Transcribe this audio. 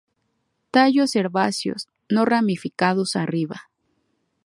Tallos herbáceos; no ramificados arriba.